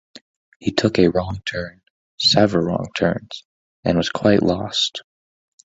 He took a wrong turn — several wrong turns — and was quite lost.